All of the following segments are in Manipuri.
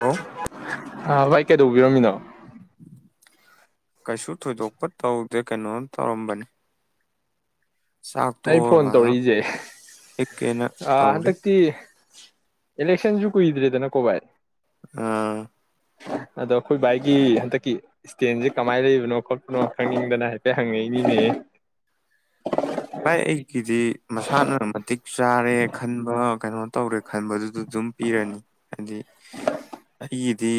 ꯑꯣ ꯑ ꯚꯥꯏ ꯀꯩꯗꯧꯕ ꯕꯤꯔꯝꯃꯤꯅꯣ ꯀꯩꯁꯨ ꯊꯣꯏꯗꯣꯛꯄ ꯇꯧꯗꯦ ꯀꯩꯅꯣꯝ ꯇꯧꯔꯝꯕꯅꯤ ꯆꯥꯛ ꯑꯩ ꯇꯣꯛꯑꯒ ꯐꯣꯟ ꯉꯥꯏꯍꯥꯛ ꯇꯧꯔꯛꯏꯁꯦ ꯍꯤꯞꯀꯦꯅ ꯇꯧꯔꯤ ꯍꯟꯗꯛꯇꯤ ꯏꯂꯦꯛꯁꯟꯁꯨꯨ ꯀꯨꯏꯗ꯭ꯔꯦꯗꯅ ꯀꯣꯕꯥꯥꯏ ꯑꯥ ꯑꯗꯣ ꯑꯈꯣꯏ ꯕꯥꯏꯀꯤ ꯍꯟꯗꯛꯀꯤ ꯏꯁꯇꯦꯟꯁꯦ ꯀꯃꯥꯏꯅ ꯂꯩꯕꯅꯣ ꯈꯣꯠꯄꯅꯣ ꯈꯪꯅꯤꯡꯗꯅ ꯍꯥꯏꯐꯦꯠ ꯍꯪꯉꯛꯏꯅꯤꯅꯦ ꯚꯥꯏ ꯑꯩꯒꯤꯗꯤ ꯃꯁꯥꯅ ꯃꯇꯤꯛ ꯆꯥꯔꯦ ꯈꯟꯕ ꯀꯩꯅꯣ ꯇꯧꯔꯦ ꯈꯟꯕꯗꯨꯗ ꯑꯗꯨꯝ ꯄꯤꯔꯅꯤ ꯍꯥꯏꯗꯤ ꯑꯩꯒꯤꯗꯤ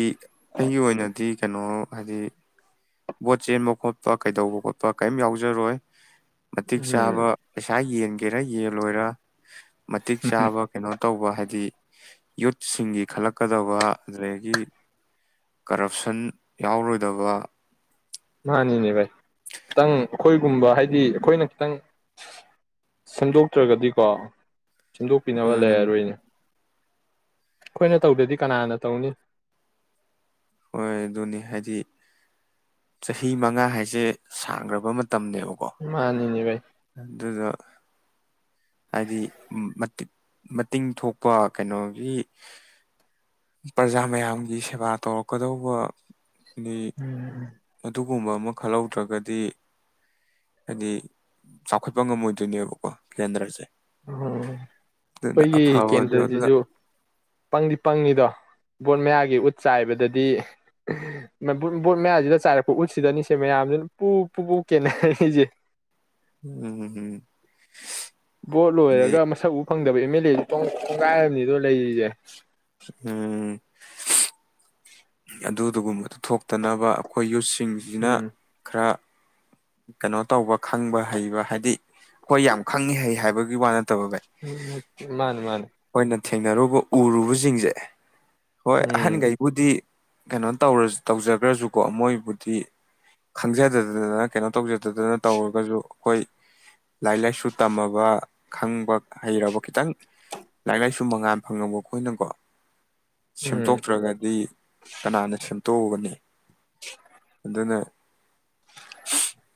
ꯑꯩꯒꯤ ꯑꯣꯏꯅꯗꯤ ꯀꯩꯅꯣ ꯍꯥꯏꯗꯤ ꯕꯣꯠ ꯆꯦꯟꯕ ꯈꯣꯠꯄ ꯀꯩꯗꯧꯕ ꯈꯣꯠꯄ ꯀꯩꯝ ꯌꯥꯎꯖꯔꯣꯏ ꯃꯇꯤꯛ ꯎꯝ ꯆꯥꯕ ꯄꯩꯁꯥ ꯌꯦꯟꯒꯦꯔꯥ ꯌꯦꯟꯂꯣꯏꯔ ꯃꯇꯤꯛ ꯆꯥꯕ ꯀꯩꯅꯣ ꯇꯧꯕ ꯍꯥꯏꯗꯤ ꯌꯨꯠꯁꯤꯡꯒꯤ ꯈꯜꯂꯛꯀꯗꯕ ꯑꯗꯨꯗꯒꯤ ꯀꯔꯞꯁꯟ ꯌꯥꯎꯔꯣꯏꯗꯕ ꯃꯥꯅꯤꯅꯦ ꯚꯥꯏ ꯈꯤꯇꯪ ꯑꯈꯣꯏꯒꯨꯝꯕ ꯍꯥꯏꯗꯤ ꯑꯈꯣꯏꯅ ꯈꯤꯇꯪ ꯈꯟꯗꯣꯛꯇ꯭ꯔꯒꯗꯤꯀꯣ ꯁꯦꯝꯗꯣꯛꯄꯤꯅꯕ ꯎꯝ ꯂꯩꯔꯔꯣꯏꯅꯦ ꯑꯈꯣꯏꯅ ꯇꯧꯗꯗꯤ ꯀꯅꯥꯅ ꯇꯧꯅꯤ ꯍꯣꯏ ꯑꯗꯨꯅꯤ ꯍꯥꯏꯗꯤ ꯆꯍꯤ ꯃꯉꯥ ꯍꯥꯏꯁꯦ ꯁꯥꯡꯒ꯭ꯔꯕ ꯇꯝꯅꯦꯕꯀꯣ ꯃꯥꯅꯤꯅꯦ ꯚꯥꯏ ꯑꯗꯨꯗ ꯍꯥꯏꯗꯤ ꯃꯇꯤꯛ ꯃꯇꯤꯡ ꯊꯣꯛꯄ ꯀꯩꯅꯣꯒꯤ ꯄ꯭ꯔꯖꯥ ꯃꯌꯥꯝꯒꯤ ꯁꯦꯕꯥ ꯇꯧꯔꯛ ꯀꯗꯧꯕ ꯑ ꯑꯗꯨꯒꯨꯝꯕ ꯑꯃ ꯈꯜꯍꯧꯗ꯭ꯔꯒꯗꯤ ꯍꯥꯏꯗꯤ ꯆꯥꯎꯈꯠꯄ ꯉꯝꯃꯣꯏꯗꯣꯏꯅꯦꯕꯀꯣ ꯀꯦꯟꯗ꯭ꯔꯁꯦ ꯎꯝ ꯑꯗꯨꯅ ꯑꯈꯣꯏꯒꯤ ꯑꯐꯕꯁꯨ ꯑꯗꯨꯅ ꯀꯦꯟꯗ꯭ꯔꯁꯤꯁꯨ ꯄꯪꯗꯤ ꯄꯪꯉꯤꯗꯣ ꯕꯣꯠ ꯃꯌꯥꯒꯤ ꯎꯠ ꯆꯥꯏꯕꯗꯗꯤ ꯕꯣꯠ ꯃꯌꯥꯁꯤꯗ ꯆꯥꯏꯔꯛꯄ ꯎꯠꯁꯤꯗꯅꯤꯁꯦ ꯃꯌꯥꯝꯁꯤꯅ ꯄꯨ ꯄꯨ ꯄꯨ ꯀꯦꯟꯅꯔꯅꯤꯁꯦ ꯎꯝ ꯎꯝ ꯚꯣꯠ ꯂꯣꯏꯔꯒ ꯃꯁꯛ ꯎ ꯐꯪꯗꯕ ꯑꯦꯝ ꯑꯦꯜ ꯑꯦ [unintelligible] ꯀꯣꯡꯒꯥꯏ ꯑꯝꯅꯤꯗꯣ ꯂꯩꯔꯤꯖꯦ ꯎꯝ ꯑꯗꯨꯗꯨꯒꯨꯝꯕꯗꯨ ꯊꯣꯛꯇꯅꯕ ꯑꯈꯣꯏ ꯌꯨꯠ ꯁꯤꯡꯖꯤꯅ ꯎꯝ ꯈꯔ ꯀꯩꯅꯣ ꯇꯧꯕ ꯈꯪꯕ ꯍꯩꯕ ꯍꯥꯏꯗꯤ ꯑꯈꯣꯏ ꯌꯥꯝ ꯈꯪꯉꯤ ꯍꯩ ꯍꯥꯏꯕꯒꯤ ꯋꯥ ꯅꯠꯇꯕ ꯚꯥꯏ ꯎꯝ ꯃꯥꯅꯦ ꯃꯥꯅꯦ ꯑꯩꯈꯣꯏꯅ ꯊꯦꯡꯅꯔꯨꯕ ꯎꯔꯨꯕꯁꯤꯡꯁꯦ ꯍꯣꯏ ꯎꯝ ꯑꯍꯟꯈꯩꯕꯨꯗꯤ ꯀꯩꯅꯣ ꯇꯧꯔ ꯇꯧꯖꯈ꯭ꯔꯁꯨꯀꯣ ꯃꯣꯏꯕꯨꯗꯤ ꯈꯪꯖꯗꯗꯗꯅ ꯀꯩꯅꯣ ꯇꯧꯖꯗꯗꯅ ꯇꯧꯔꯒꯁꯨ ꯑꯩꯈꯣꯏ ꯂꯥꯏꯔꯤꯛ ꯂꯥꯏꯁꯨ ꯇꯝꯃꯕ ꯈꯪꯕ ꯍꯩꯔꯕ ꯈꯤꯇꯪ ꯂꯥꯏꯔꯤꯛ ꯂꯥꯏꯁꯨ ꯃꯉꯥꯟ ꯐꯪꯉꯕ ꯑꯩꯈꯣꯏꯅꯀꯣ ꯎꯝ ꯁꯦꯝꯗꯣꯛꯇ꯭ꯔꯒꯗꯤ ꯀꯅꯥꯅ ꯁꯦꯝ ꯇꯣꯛꯕꯅꯤ ꯑꯗꯨꯅ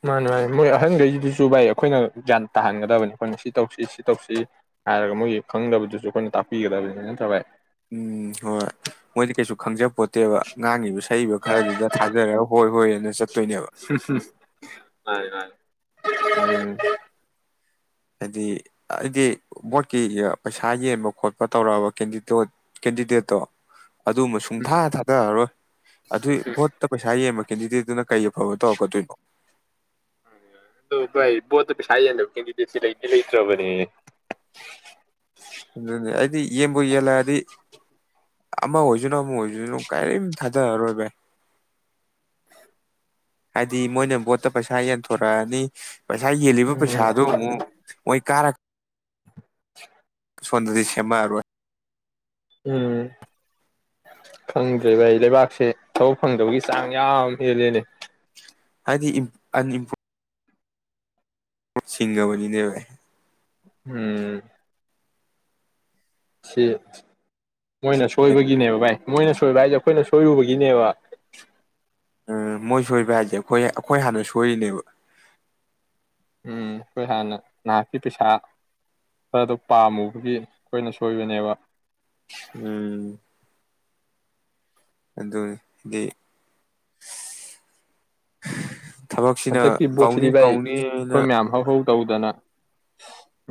ꯃꯥꯅꯤ ꯃꯥꯅꯤ ꯃꯣꯏ ꯑꯍꯟꯈꯩꯁꯤꯗꯨꯁꯨ ꯚꯥꯏ ꯑꯩꯈꯣꯏꯅ ꯒ꯭ꯌꯥꯟ ꯇꯥꯍꯟꯒꯗꯕꯅꯤ ꯑꯩꯈꯣꯏꯅ ꯁꯤ ꯇꯧꯁꯤ ꯁꯤ ꯇꯧꯁꯤ ꯍꯥꯏꯔꯒ ꯃꯣꯏꯒꯤ ꯈꯪꯗꯕꯗꯨꯁꯨ ꯑꯩꯈꯣꯏꯅ ꯇꯥꯛꯄꯤꯒꯗꯕꯅꯤ ꯅꯠꯇ꯭ꯔ ꯚꯥꯏ ꯎꯝ ꯍꯣꯏ ꯃꯣꯏꯗꯤ ꯀꯩꯁꯨ ꯈꯪꯖꯕ ꯄꯣꯠ ꯅꯠꯇꯦꯕ ꯉꯥꯡꯉꯤꯕ ꯁꯛꯏꯕ ꯈꯔꯗꯨꯗ ꯊꯥꯖꯔꯛ ꯍꯣꯏ ꯍꯣꯏ ꯑꯗꯨꯅ ꯆꯠꯦ ꯍꯝ ꯍ ꯑꯝ ꯍꯥꯏꯗꯤ ꯑꯩꯗꯤ ꯚꯣꯠꯀꯤ ꯄꯩꯁꯥ ꯌꯦꯟꯕ ꯈꯣꯠꯄ ꯇꯧꯔꯛꯑꯕ ꯀꯦꯟꯗꯤꯗꯠ ꯀꯦꯟꯗꯤꯗꯦꯠꯇꯣ ꯑꯗꯨꯃ ꯎꯝ ꯁꯨꯡꯊꯥ ꯊꯥꯗꯔꯔꯣꯏ ꯑꯗꯨꯏ ꯚꯣꯠꯇ ꯄꯩꯁꯥ ꯌꯦꯡꯕ ꯀꯦꯟꯗꯤꯗꯦꯠꯇꯨꯅ ꯀꯩ ꯑꯐꯕ ꯇꯧꯔꯛꯀꯗꯣꯏꯅꯣ ꯗ ꯕ ꯄꯁꯥꯏꯣ ꯀꯗꯤꯁꯤ ꯂꯩ ꯂꯩ ꯆ꯭ꯔꯕꯅꯤ ꯑꯗꯨ ꯑꯩꯗꯤ ꯌꯦꯡꯕꯨ ꯌꯦꯜꯂꯛꯑꯗꯤ ꯑꯃ ꯑꯣꯏꯖꯣꯏꯅꯣ ꯃꯣꯏꯅ ꯀꯥꯏ ꯊ ꯔꯣꯏꯕ ꯍꯥꯏꯗꯤ ꯃꯣꯏꯅ ꯕꯣꯠꯇ ꯄꯩꯁꯥ ꯌꯦꯟꯊꯣꯔꯛꯑꯅꯤ ꯄꯩꯁꯥ ꯌꯦꯜꯂꯤꯕ ꯎꯝ ꯄꯩꯁꯥꯗꯨ ꯑꯃꯨꯛ ꯃꯣꯏ ꯀꯥ [unintelligible] ꯁꯣꯝꯗꯗꯤ ꯁꯦꯝꯃꯛꯑꯔꯣꯏ ꯎꯝ ꯈꯪꯗ꯭ꯔꯦ ꯚꯥꯏ ꯂꯩꯕꯥꯛꯁꯦ ꯊꯕꯛ ꯐꯪꯗꯕꯒꯤ ꯆꯥꯡ ꯌꯥꯝ ꯍꯦꯜꯂꯦꯜꯂꯤ ꯍꯥꯏꯗꯤ ꯑꯏꯝꯄ ꯁꯤꯁꯤꯡꯒꯥꯕꯂꯤꯗ ꯔ ꯎꯝ ꯁꯤ ꯃꯣꯏꯅ ꯁꯣꯏꯕꯒꯤꯅꯦꯕ ꯚꯥꯏ ꯃꯣꯏꯅ ꯁꯣꯏꯕ ꯍꯥꯏꯁꯦ ꯑꯩꯈꯣꯏꯅ ꯁꯣꯏꯔꯨꯕꯒꯤꯅꯦꯕ ꯎꯝ ꯃꯣꯏ ꯁꯣꯏꯕ ꯍꯥꯏꯁꯦ ꯑꯩꯈꯣꯏ ꯑꯩꯈꯣꯏ ꯍꯥꯟꯅ ꯁꯣꯏꯔꯤꯅꯦꯕ ꯎꯝ ꯑꯩꯈꯣꯏ ꯍꯥꯟꯅ ꯅꯍꯥꯛꯀꯤ ꯄꯩꯁꯥ ꯈꯔꯗꯣ ꯄꯥꯝꯃꯨꯕꯒꯤ ꯑꯩꯈꯣꯏꯅ ꯁꯣꯏꯕꯅꯦꯕ ꯎꯝ ꯑꯗꯨ ꯍꯥꯏꯗꯤ ꯊꯕꯛꯁꯤꯅ ꯍꯟꯗꯛꯀꯤ ꯀꯧꯅꯤ ꯕꯣꯠꯁꯤꯗꯤ ꯚꯥꯏ ꯑꯩꯈꯣꯏ ꯀꯧꯅꯤꯅ ꯃꯌꯥꯝ ꯍꯧ ꯍꯧ ꯇꯧꯗꯅ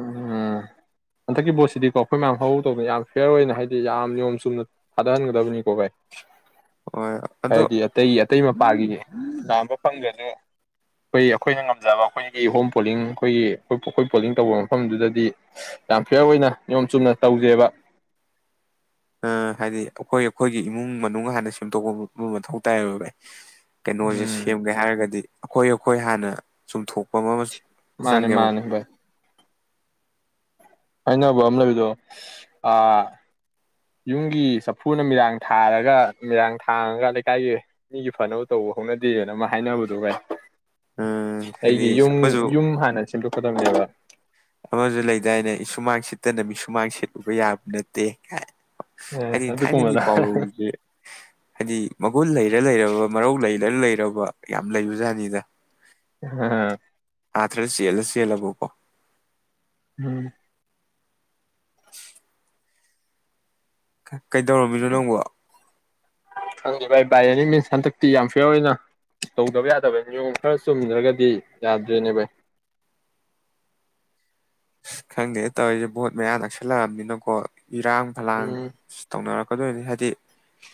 ꯎꯝ ꯍꯟꯗꯛꯀꯤ ꯄꯣꯠꯁꯤꯗꯤꯀꯣ ꯑꯩꯈꯣꯏ ꯃꯌꯥꯝ ꯍꯧꯍꯗꯧꯕꯗꯅ ꯌꯥꯝ ꯐꯤꯌꯔ ꯑꯣꯏꯅ ꯍꯥꯏꯗꯤ ꯌꯥꯝ ꯅꯤꯌꯣꯝ ꯆꯨꯝꯅ ꯊꯥꯗꯍꯟꯒꯗꯕꯅꯤꯀꯣ ꯚꯥꯏ ꯍꯣꯏ ꯑꯗꯣ ꯍꯥꯏꯗꯤ ꯑꯇꯩ ꯑꯇꯩ ꯃꯄꯥꯒꯤ ꯂꯥꯝꯕ ꯐꯪꯗꯗ ꯑꯩꯈꯣꯏ ꯑꯩꯈꯣꯏꯅ ꯉꯝꯖꯕ ꯑꯩꯈꯣꯏꯒꯤ ꯍꯣꯝ ꯄꯣꯂꯤꯡ ꯑꯩꯈꯣꯏꯒꯤ ꯑꯩꯈꯣꯏ ꯑꯩꯈꯣꯏ ꯄꯣꯂꯤꯡ ꯇꯧꯕ ꯃꯐꯝꯗꯨꯗꯗꯤ ꯌꯥꯝ ꯐꯤꯌꯔ ꯑꯣꯏꯅ ꯅꯤꯌꯣꯝ ꯆꯨꯝꯅ ꯇꯧꯖꯩꯕ ꯑ ꯍꯥꯏꯗꯤ ꯑꯩꯈꯣꯏ ꯑꯩꯈꯣꯏꯒꯤ ꯏꯃꯨꯡ ꯃꯅꯨꯡ ꯍꯥꯟꯅ ꯁꯦꯝꯗꯣꯛꯄꯕꯨ ꯃꯊꯧ ꯇꯥꯏꯌꯦꯕ ꯚꯥꯏ ꯀꯩꯅꯣꯁꯦ ꯎꯝ ꯁꯦꯝꯒꯦ ꯍꯥꯏꯔꯒꯗꯤ ꯑꯈꯣꯏ ꯑꯈꯣꯏ ꯍꯥꯟꯅ ꯆꯨꯝꯊꯣꯛꯄꯃ ꯃꯥꯅꯦ ꯃꯥꯅꯦ ꯚꯥꯏ ꯍꯥꯏꯅꯕ ꯑꯃ ꯂꯩꯕꯗꯣ ꯑ ꯌꯨꯝꯒꯤ ꯆꯐꯨꯅ ꯃꯤꯔꯥꯡ ꯊꯥꯔꯒ ꯃꯤꯔꯥꯡ ꯊꯥꯡꯉꯒ ꯂꯩꯀꯥꯏꯒꯤ ꯃꯤꯒꯤ ꯐꯅꯕ ꯇꯧꯕ ꯍꯧꯅꯗꯦꯅ ꯑꯃ ꯍꯥꯏꯅꯕꯗꯣ ꯚꯥꯏ ꯎꯝ ꯍꯥꯏꯗꯤ ꯑꯩꯒꯤ ꯌꯨꯝ ꯑꯃꯁꯨ ꯌꯨꯝ ꯍꯥꯟꯅ ꯁꯦꯝꯗꯣꯛ ꯀꯗꯝꯅꯦꯕ ꯑꯃꯁꯨ ꯂꯩꯗꯥꯏꯅꯦ ꯏꯁꯨꯃꯥꯡ ꯁꯤꯠꯇꯅ ꯃꯤ ꯁꯨꯃꯥꯡ ꯁꯤꯠꯂꯨꯕ ꯌꯥꯕ ꯅꯠꯇꯦ ꯀꯥꯏ ꯍꯥꯏꯗꯤ ꯊꯥꯏꯅꯒꯤ ꯑꯗꯨꯒꯨꯝꯕꯗ ꯄꯥꯎꯔꯧꯁꯦ ꯍꯥꯏꯗꯤ ꯃꯒꯨꯟ ꯂꯩꯔ ꯂꯩꯔꯕ ꯃꯔꯧ ꯂꯩꯔ ꯔ ꯂꯩꯔꯕ ꯌꯥꯝ ꯂꯩꯕ ꯖꯥꯠꯅꯤꯗ ꯑ ꯑꯥꯊ꯭ꯔ ꯆꯦꯜꯂ ꯆꯦꯜꯂꯕꯀꯣ ꯎꯝ ꯀꯩꯗꯧꯔꯝꯃꯤꯅꯣ ꯅꯪꯕꯣ ꯈꯪꯗꯦ ꯚꯥꯏ ꯕꯥꯏ ꯑꯦꯅꯤ ꯃꯤꯟꯁ ꯍꯟꯗꯛꯇꯤ ꯌꯥꯝ ꯐꯤꯌꯔ ꯑꯣꯏꯅ ꯇꯧꯗꯕ ꯌꯥꯗꯕ ꯅꯤꯌꯣꯝ ꯈꯔ ꯆꯨꯝꯗ꯭ꯔꯒꯗꯤ ꯌꯥꯗ꯭ꯔꯦꯅꯦ ꯚꯥꯏ ꯑꯁ ꯈꯪꯗꯦ ꯇꯧꯔꯤꯁꯦ ꯚꯣꯠ ꯃꯌꯥ ꯅꯛꯁꯜꯂꯛꯑꯕꯅꯤꯅꯀꯣ ꯏꯔꯥꯡ ꯐꯂꯥꯡ ꯎꯝ ꯇꯧꯅꯔꯛ ꯀꯗꯣꯏꯅꯤ ꯍꯥꯏꯗꯤ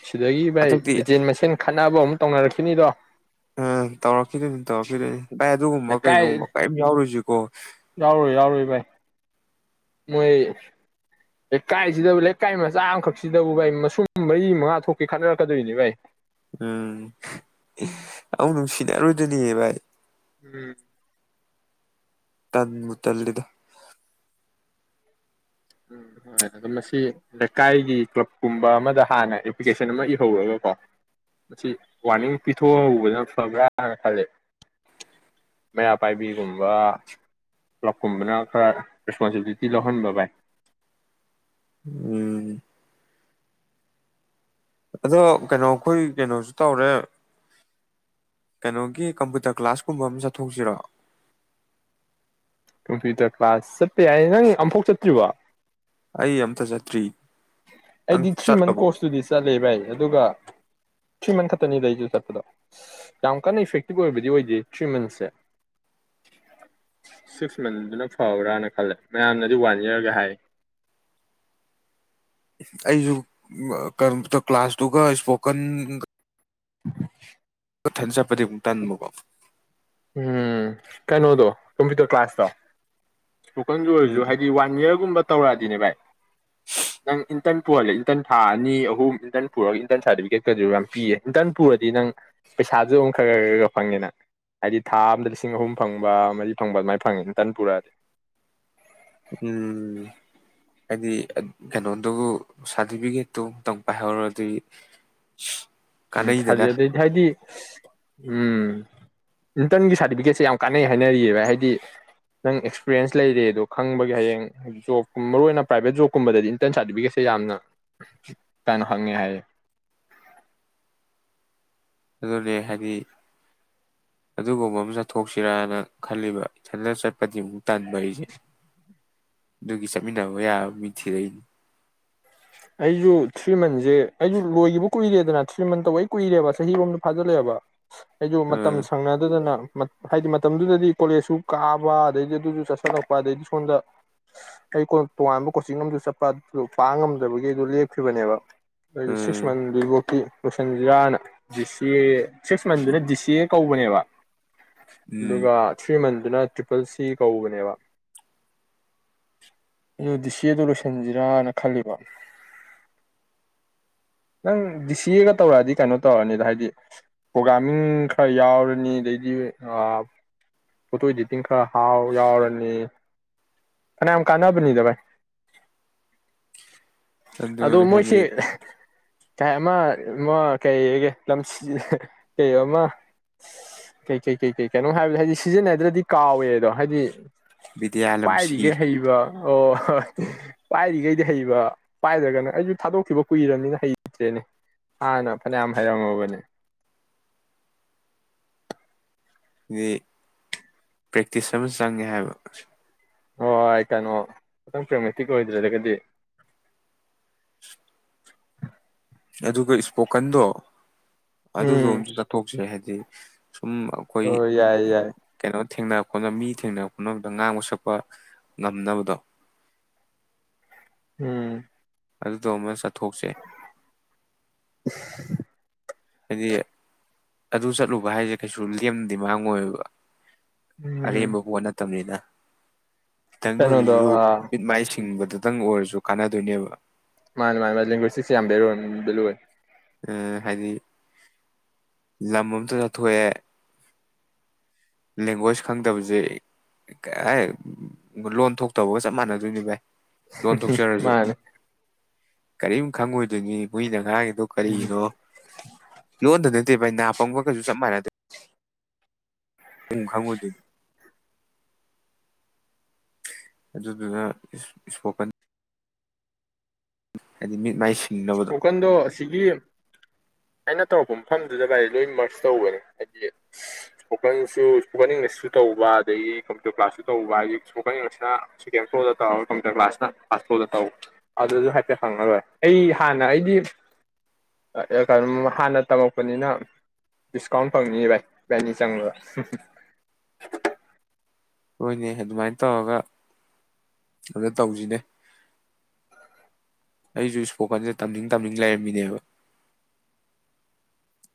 ꯁꯤꯗꯒꯤ ꯚꯥꯏ ꯍꯟꯗꯛꯇꯤ ꯑꯦꯖꯦꯟ ꯃꯁꯦꯟ ꯈꯠꯅꯕ ꯑꯃꯨꯛ ꯇꯧꯅꯔꯛꯈꯤꯅꯤꯗꯣ ꯎꯝ ꯇꯧꯔꯛꯈꯤꯗꯣꯏꯅꯤ ꯇꯧꯔꯛꯈꯤꯗꯣꯏꯅꯤ ꯚꯥꯏ ꯑꯗꯨꯒꯨꯝꯕ ꯂꯩꯀꯥꯏ ꯀꯩꯒꯨꯝꯕ ꯀꯔꯤꯝ ꯌꯥꯎꯔꯣꯏꯁꯤ ꯀꯣ ꯌꯥꯎꯔꯣꯏ ꯌꯥꯎꯔꯣꯏ ꯚꯥꯏ ꯃꯣꯏ ꯂꯩꯀꯥꯏꯁꯤꯗꯕꯨ ꯂꯩꯀꯥꯏ ꯃꯆꯥ ꯑꯃꯈꯛꯁꯤꯗꯕꯨ ꯚꯥꯏ ꯃꯁꯨꯝ ꯃꯔꯤ ꯃꯉꯥ ꯊꯣꯛꯀꯦ ꯈꯠꯅꯔꯛꯀꯗꯣꯏꯅꯤ ꯚꯥꯏ ꯎꯝ ꯑꯃꯨꯛ ꯅꯨꯡꯁꯤꯅꯔꯣꯏꯗꯣꯏꯅꯤꯅꯦ ꯚꯥꯏ ꯎꯝ ꯇꯟꯕꯨ ꯇꯜꯂꯦꯗ ꯑꯗꯣ ꯃꯁꯤ ꯂꯩꯀꯥꯏꯒꯤ ꯀ꯭ꯂꯕꯀꯨꯝꯕ ꯑꯃꯗ ꯍꯥꯟꯅ ꯑꯦꯄ꯭ꯂꯤꯀꯦꯁꯟ ꯑꯃ ꯏꯍꯧꯔꯒꯀꯣ ꯃꯁꯤ ꯋꯥꯔꯅꯤꯡ ꯄꯤꯊꯣꯛꯍꯧꯕꯅ ꯐꯕ꯭ꯔꯥꯅ ꯈꯜꯂ ꯃꯩꯔꯥ ꯄꯥꯏꯕꯤꯒꯨꯝꯕ ꯀ꯭ꯂꯕꯀꯨꯝꯕꯅ ꯈꯔ ꯔꯦꯁꯄꯣꯟꯁꯤꯕꯤꯂꯤꯇꯤ ꯂꯧꯍꯟꯕ ꯚꯥꯏ ꯎꯝ ꯑꯗꯣ ꯀꯩꯅꯣ ꯑꯈꯣꯏ ꯀꯩꯅꯣꯁꯨ ꯇꯧꯔꯦ ꯀꯩꯅꯣꯒꯤ ꯀꯝꯄꯨꯇꯔ ꯀ꯭ꯂꯥꯁ ꯀꯨꯝꯕ ꯑꯃ ꯆꯠꯊꯣꯛꯁꯤꯔꯣ ꯀꯝꯄ꯭ꯌꯨꯇꯔ ꯀ꯭ꯂꯥꯁ ꯆꯠꯄ ꯌꯥꯏ ꯅꯪ ꯑꯝꯐꯥꯎ ꯆꯠꯇ꯭ꯔꯤꯕ ꯑꯩ ꯑꯝꯇ ꯆꯇ꯭ꯔꯤ ꯑꯩꯗꯤ ꯊ꯭ꯔꯤ ꯃꯟ ꯀꯣꯔꯁꯇꯨꯗꯤ ꯆꯠꯂꯦ ꯚꯥꯏ ꯑꯗꯨꯒ ꯊ꯭ꯔꯤ ꯃꯟ ꯈꯛꯇꯅꯤ ꯑꯩꯁꯨ ꯆꯠꯄꯗꯣ ꯌꯥꯝ ꯀꯟꯅ ꯏꯐꯦꯛꯇꯤꯞ ꯑꯣꯏꯕꯗꯤ ꯑꯣꯏꯗꯦ ꯊ꯭ꯔꯤ ꯃꯟꯁꯁꯦ ꯁꯤꯛꯁ ꯃꯟꯗꯨꯅ ꯐꯕ꯭ꯔꯥꯅ ꯈꯜꯂꯦ ꯃꯌꯥꯝꯅꯗꯤ ꯋꯥꯟ ꯏꯔꯒ ꯍꯥꯏ ꯑꯩꯁꯨ ꯀꯝꯄ꯭ꯌꯨꯇꯔ ꯀ꯭ꯂꯥꯁꯇꯨꯒ ꯏꯁꯄꯣꯀꯟ [unintelligible] ꯊꯟ ꯆꯠꯄꯗꯤ ꯑꯃꯨꯛ ꯇꯟꯕꯀꯣ ꯎꯝ ꯀꯩꯅꯣꯗꯣ ꯀꯝꯄ꯭ꯌꯨꯇꯔ ꯀ꯭ꯂꯥꯁꯇꯣ ꯇꯣꯀꯟꯗ ꯑꯣꯏꯔꯁꯨ ꯎꯝ ꯍꯥꯏꯗꯤ ꯋꯥꯟ ꯌꯤꯌꯥꯔꯒꯨꯝꯕ ꯇꯧꯔꯛꯑꯗꯤ ꯑꯗꯨꯅꯦ ꯚꯥꯏ ꯅꯪ ꯏꯟꯇꯔꯟ ꯄꯨꯍꯜꯂꯦ ꯏꯟꯇꯔꯟ ꯊꯥ ꯑꯅꯤ ꯑꯍꯨꯝ ꯏꯟꯇꯔꯟ ꯄꯨꯔꯒ ꯏꯟꯇꯔꯟ ꯁꯥꯔꯇꯤꯐꯤꯀꯦꯠꯀꯁꯨ ꯌꯥꯝ ꯄꯤꯌꯦ ꯏꯟꯇꯔꯟ ꯄꯨꯔꯗꯤ ꯅꯪ ꯄꯩꯁꯥꯁꯨ ꯑꯃꯨꯛ ꯈꯔ ꯈꯔ ꯈꯒ ꯐꯪꯉꯤꯅ ꯍꯥꯏꯗꯤ ꯊꯥ ꯑꯝꯗ ꯂꯤꯁꯤꯡ ꯑꯍꯨꯝ ꯐꯪꯕ ꯃꯔꯤ ꯐꯪꯕ ꯑꯗꯨꯃꯥꯏꯅ ꯐꯪꯉꯤ ꯏꯟꯇꯟ ꯄꯨꯔꯛꯑꯗꯤ ꯎꯝ ꯍꯥꯏꯗꯤ ꯀꯩꯅꯣꯗꯨꯕꯨ ꯁꯥꯔꯇꯤꯐꯤꯀꯦꯠꯇꯨꯇꯪ ꯄꯥꯏꯍꯧꯔꯗꯤ ꯎꯝ ꯀꯥꯟꯅꯩꯗꯅ ꯊꯖꯗ ꯊ ꯍꯥꯏꯗꯤ ꯎꯝ ꯏꯟꯇꯔꯟꯒꯤ ꯁꯥꯔꯇꯤꯐꯤꯀꯦꯠꯁꯦ ꯌꯥꯝ ꯀꯥꯟꯅꯩ ꯍꯥꯏꯅꯔꯤꯑꯕ ꯍꯥꯏꯗꯤ ꯅꯪ ꯑꯦꯛꯁꯄꯤꯔꯤꯌꯦꯦꯟꯁ ꯂꯩꯔꯦ ꯑꯗꯣ ꯈꯪꯕꯒꯤ ꯍꯌꯦꯡ ꯖꯣꯕꯀꯨꯝ ꯃꯔꯨꯑꯣ ꯑꯣꯏꯅ ꯄ꯭ꯔꯥꯏꯚꯦꯠ ꯖꯣꯕꯀꯨꯝꯕꯗꯗꯤ ꯏꯟꯇꯔꯟ ꯁꯥꯔꯇꯤꯐꯤꯀꯦꯠꯁꯦ ꯌꯥꯝꯅ ꯀꯥꯏꯅꯣ ꯍꯪꯉꯦ ꯍꯥꯏꯌꯦ ꯑꯗꯨꯅꯦ ꯍꯥꯏꯗꯤ ꯑꯗꯨꯒꯨꯝꯕ ꯑꯃ ꯆꯠꯊꯣꯛꯁꯤꯔꯥꯅ ꯈꯜꯂꯤꯕ ꯏꯊꯟꯗ ꯆꯠꯄꯗꯤ ꯑꯃꯨꯛ ꯇꯗꯕꯩꯦ ꯑꯗꯨꯒꯤ ꯆꯠꯃꯤꯟꯅꯕ ꯌꯥꯕ ꯃꯤ ꯊꯤꯔꯛꯏꯅꯤ ꯑꯩꯁꯨ ꯊ꯭ꯔꯤ ꯃꯟꯁꯦ ꯑꯩꯁꯨ ꯂꯣꯏꯈꯤꯕ ꯀꯨꯏꯔꯦꯗꯅ ꯊ꯭ꯔꯤ ꯃꯟ ꯇꯧꯕꯩ ꯀꯨꯏꯔꯦꯕ ꯆꯍꯤꯔꯣꯝꯗ ꯐꯥꯖꯤꯜꯂꯛꯑꯦꯕ ꯑꯩꯁꯨ ꯃꯇꯝ ꯎꯝ ꯁꯪꯅꯗꯗꯅ ꯃꯠ ꯍꯥꯏꯗꯤ ꯃꯇꯝꯗꯨꯗꯗꯤ ꯀꯣꯂꯦꯖꯁꯨ ꯀꯥꯕ ꯑꯗꯩꯗꯤ ꯑꯗꯨꯁꯨ ꯆꯠꯁꯜꯂꯛꯄ ꯑꯗꯩꯗꯤ ꯁꯣꯝꯗ ꯑꯩ ꯀꯣ ꯇꯣꯉꯥꯟꯕ ꯀꯣꯆꯤꯡ ꯑꯃꯨ ꯆꯠꯄ ꯑꯗꯨ ꯄꯥꯉꯝ ꯕꯒꯤꯗꯨ ꯂꯦꯞꯈꯤꯕꯅꯦꯕ ꯂꯩ ꯎꯝ ꯁꯁꯃꯟꯗꯤꯕꯣꯀꯤ ꯂꯣꯏꯁꯟꯖꯔꯅ ꯖꯤꯆ ꯁꯤꯛꯁ ꯃꯟꯗꯨꯅ ꯗꯤ ꯁꯤ ꯑꯦ ꯀꯧꯕꯅꯦꯕ ꯎꯝ ꯑꯗꯨꯒ ꯊ꯭ꯔꯤ ꯃꯟ ꯗꯅ ꯇ꯭ꯔꯤꯄꯜ ꯁꯤ ꯀꯧꯕꯅꯦꯕ ꯑꯗꯨ ꯗꯤ ꯁꯤ ꯑꯦꯗꯣ ꯂꯣꯏꯁꯟꯁꯤꯔꯅ ꯈꯜꯂꯤꯕ ꯅꯪ ꯗꯤ ꯁꯤ ꯑꯦꯒ ꯇꯧꯔꯛꯑꯗꯤ ꯀꯩꯅꯣ ꯇꯧꯔꯅꯤꯗ ꯍꯥꯏꯗꯤ ꯄ꯭ꯔꯣꯒꯥ꯭ꯔꯥꯃꯤꯡ ꯈꯔ ꯌꯥꯎꯔꯅꯤ ꯑꯗꯩꯗꯤ ꯐꯣꯇꯣ ꯏꯗꯤꯇꯤꯡ ꯈꯔ ꯍꯥꯎ ꯌꯥꯎꯔꯅꯤ ꯑ ꯑꯝ ꯀꯥꯟꯅ ꯅꯤꯗꯕꯥ ꯑꯗꯨ ꯑꯗꯨꯅꯦ ꯍꯥꯏꯗꯤ ꯃꯣꯏꯁꯤ ꯀꯥꯏ ꯑꯃ ꯑꯃ ꯀꯩ ꯂꯝ ꯀꯩꯣ ꯑꯃ ꯀꯩꯀꯩ ꯀꯩ ꯀꯩ ꯀꯩꯅꯣ ꯍꯥꯏꯕꯗ ꯍꯥꯏꯗꯤ ꯁꯤꯖꯤꯟꯅꯗ꯭ꯔꯗꯤ ꯀꯥꯎꯏꯦꯗꯣ ꯍꯥꯏꯗꯤ ꯕꯤꯗꯌꯥ ꯂꯝꯝꯁꯤ ꯒꯦꯍꯩꯕ ꯑꯣ ꯍꯣꯏ ꯄꯥꯏꯔꯤꯈꯩꯗꯤ ꯍꯩꯕ ꯄꯥꯏꯗ꯭ꯔꯒꯅ ꯑꯩꯁꯨ ꯊꯥꯗꯣꯛꯈꯤꯕ ꯀꯨꯏꯔꯕꯅꯤꯅ ꯍꯩꯇ꯭ꯔꯦꯅꯦ ꯍꯥꯟꯅ ꯐꯅꯌꯥꯝ ꯍꯩꯔꯝꯃꯕꯅꯦ ꯗꯤ ꯄ꯭ꯔꯦꯛꯇꯤꯁ ꯑꯃ ꯆꯪꯉꯦ ꯍꯥꯏꯕ ꯍꯣꯏ ꯀꯩꯅꯣ ꯈꯤꯇꯪ ꯄ꯭ꯔꯦꯝꯃꯦꯛꯇꯤꯛ ꯑꯣꯏꯗ꯭ꯔꯒꯗꯤ ꯑꯗꯨꯒ ꯏꯁꯄꯣꯀꯟꯗꯣ ꯑꯗꯨꯗꯣ ꯎꯝ ꯑꯝꯁꯨ ꯆꯠꯊꯣꯛꯁꯦ ꯍꯦ ꯗꯤ ꯁꯨꯝ ꯑꯩꯈꯣꯏ ꯍꯣꯏ ꯌꯥꯏ ꯌꯥꯏ ꯀꯩꯅꯣ ꯊꯦꯡꯅ ꯈꯣꯠꯅ ꯃꯤ ꯊꯦꯡꯅꯕ ꯈꯣꯠꯅꯕꯗ ꯉꯥꯡꯕ ꯁꯛꯄ ꯉꯝꯅꯕꯗꯣ ꯎꯝ ꯑꯗꯨꯖꯣ ꯑꯃꯥ ꯆꯠ ꯊꯣꯛꯁꯦ ꯍꯥꯏꯗꯤ ꯑꯗꯨ ꯆꯠꯂꯨꯕ ꯍꯥꯏꯁꯦ ꯀꯩꯁꯨ ꯂꯦꯝꯅꯗꯤ ꯃꯥꯡꯉꯣꯏꯕ ꯎꯝ ꯑꯔꯦꯝꯕ ꯄꯣꯠ ꯅꯠꯇꯕꯅꯤꯅ ꯪꯈꯤꯇꯪꯗ ꯀꯩꯅꯣꯗꯣ ꯑꯣꯏꯁꯨ ꯑꯥ ꯃꯤꯠ ꯃꯥꯏ ꯁꯤ ꯍꯤꯡꯕꯗꯇꯪ ꯑꯣꯏꯔꯁꯨ ꯀꯥꯟꯅꯗꯣꯏꯅꯦꯕ ꯃꯥꯅꯦ ꯃꯥꯅꯦ ꯃꯥ ꯂꯦꯡꯒꯨꯏꯁꯇꯤꯛ ꯌꯥꯝ ꯕꯦꯂꯨꯅꯤ ꯕꯦꯂꯨꯅꯤ ꯑꯝ ꯍꯥꯏꯗꯤ ꯂꯝ ꯑꯝꯇ ꯆꯊꯣꯛꯑꯦ ꯂꯦꯡꯒ꯭ꯋꯦꯁ ꯈꯪꯗꯕꯁꯦ ꯂꯣꯟ ꯊꯣꯛꯇꯕꯒ ꯆꯞ ꯃꯥꯟꯅꯗꯣꯏꯅꯤ ꯚꯥꯏ ꯂꯣꯟ ꯊꯣꯛꯆꯔꯁꯨ ꯃꯥꯅꯦ ꯀꯔꯤꯝ ꯈꯪꯉꯣꯏꯗꯣꯏꯅꯤ ꯃꯣꯏꯅ ꯉꯥꯡ ꯀꯔꯤꯅꯣ [unintelligible] ꯑꯦ ꯚꯩ ꯅꯥꯄꯪꯕꯒꯁꯨ ꯆꯞ ꯃꯥꯟꯅꯗꯦ ꯄꯨꯡ ꯈꯪꯉꯣꯏꯗꯣꯏꯅꯤ ꯑꯗꯨꯗꯨꯅ ꯏꯁꯄꯣꯀꯟ ꯍꯥꯏꯗꯤ ꯃꯤꯠ ꯃꯥꯏ ꯁꯤꯡꯅꯕꯗꯣ ꯁ꯭ꯄꯣꯀꯟꯗꯣ ꯑꯁꯤꯒꯤ ꯑꯩꯅ ꯇꯧꯔꯛꯄ ꯃꯐꯝꯗꯨꯗ ꯚꯥꯏ ꯂꯣꯏ ꯃꯔꯁ ꯇꯧꯕꯅꯦ ꯍꯥꯏꯗꯤ ꯏꯁꯄꯣꯀꯟꯁꯨ ꯏꯁꯄꯣꯀꯟ ꯏꯪꯂꯤꯁꯁꯨ ꯇꯧꯕ ꯑꯗꯒꯤ ꯀꯝꯄ꯭ꯌꯨꯇꯔ ꯀ꯭ꯂꯥꯁꯁꯨ ꯇꯧꯕ ꯍꯥꯏꯗꯤ ꯏꯁꯄꯣꯀꯟ ꯏꯪꯂꯤꯁꯅ ꯁꯦꯀꯦꯟ ꯐ꯭ꯂꯣꯔꯗ ꯇꯧꯔ ꯀꯝꯄ꯭ꯌꯨꯇꯔ ꯀ꯭ꯂꯥꯁꯅ ꯐꯥꯔꯁ ꯐ꯭ꯂꯣꯔꯗ ꯇꯧꯕ ꯑꯗꯨꯗ ꯍꯥꯏꯐꯦꯠ ꯍꯪꯉꯒ ꯑꯩ ꯍꯥꯟꯅ ꯑꯩꯗꯤ ꯀꯩꯅꯣ ꯍꯥꯟꯅ ꯇꯝꯃꯛꯄꯅꯤꯅ ꯗꯤꯁꯀꯥꯎꯟ ꯐꯪꯅꯤ ꯚꯥꯏ ꯏꯕꯥꯅꯤ ꯆꯪꯕꯗ ꯍꯣꯏꯅꯦ ꯑꯗꯨꯃꯥꯏꯅ ꯇꯧꯔꯒ ꯑꯗ ꯇꯧꯁꯤꯅꯦ ꯑꯩꯁꯨ ꯏꯁꯄꯣꯀꯟꯁꯦ ꯇꯝꯅꯤꯡ ꯇꯝꯅꯤꯡ ꯂꯩꯔꯝꯃꯤꯅꯦꯕ